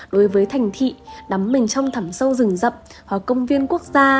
đối với thành thị đắm mình trong thẳm sâu rừng rập hoặc công viên quốc gia